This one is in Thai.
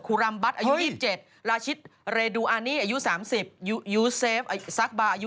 คุรัมบัตรอายุ๒๗ลาชิตเรดูอานิอายุ๓๐ยูเซฟซากบาร์อายุ๒๒